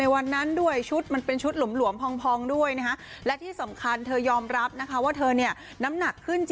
วันนั้นด้วยชุดมันเป็นชุดหลวมพองด้วยนะฮะและที่สำคัญเธอยอมรับนะคะว่าเธอเนี่ยน้ำหนักขึ้นจริง